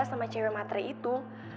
sama cewek materi itu